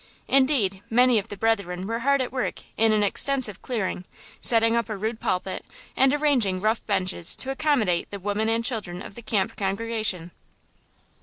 Indeed, many of the brethren were hard at work in an extensive clearing, setting up a rude pulpit, and arranging rough benches to accommodate the women and children of the camp congregation.